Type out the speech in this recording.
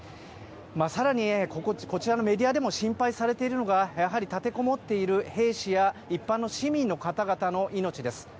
更にこちらのメディアでも心配されているのがやはり立てこもっている兵士や一般の市民の方々の命です。